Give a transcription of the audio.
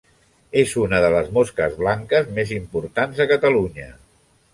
És una de les mosques blanques més importants a Catalunya.